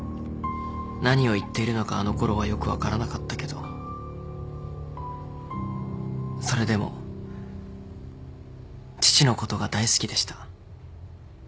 何を言っているのかあのころはよく分からなかったけどそれでも父のことが大好きでした。